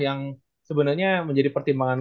yang sebenernya menjadi pertimbangan